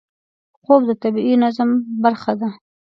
خوب د طبیعي نظم برخه ده